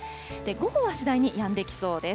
午後は次第にやんできそうです。